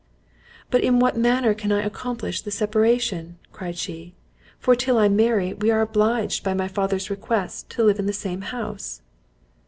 "But in what manner can I accomplish the separation?" cried she, "for till I marry we are obliged, by my father's request, to live in the same house."